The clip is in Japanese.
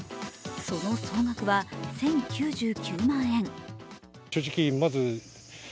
その総額は１０９９万円。